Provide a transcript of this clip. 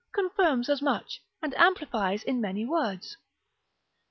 confirms as much, and amplifies in many words.